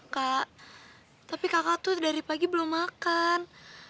kak tapi kakak tuh dari pagi belum makan